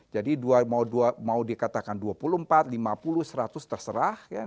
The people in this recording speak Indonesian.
jadi mau dikatakan dua puluh empat lima puluh seratus terserah